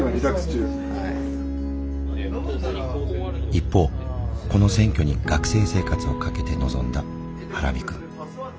一方この選挙に学生生活を懸けて臨んだハラミ君。